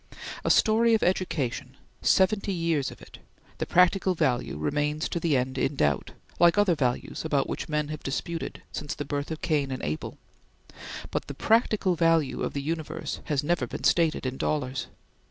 A story of education seventy years of it the practical value remains to the end in doubt, like other values about which men have disputed since the birth of Cain and Abel; but the practical value of the universe has never been stated in dollars.